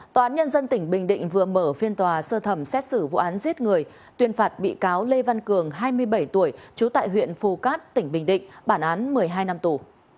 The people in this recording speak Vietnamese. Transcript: tòa án nhân dân tỉnh bình định vừa mở phiên tòa sơ thẩm xét xử vụ án giết người tuyên phạt bị cáo lê văn cường hai mươi bảy tuổi trú tại huyện phù cát tỉnh bình định bản án một mươi hai năm tù